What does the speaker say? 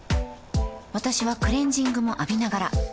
私はクレジングも浴びながら